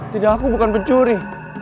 tidak aku bukan pencuri